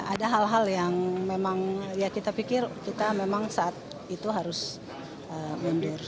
ada hal hal yang memang ya kita pikir kita memang saat itu harus mundur